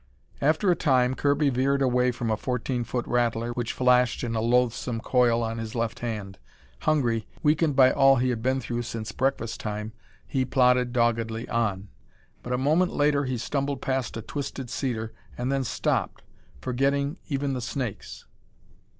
After a time, Kirby veered away from a fourteen foot rattler which flashed in a loathsome coil on his left hand. Hungry, weakened by all he had been through since breakfast time, he plodded doggedly on. But a moment later he stumbled past a twisted cedar, and then stopped, forgetting even the snakes.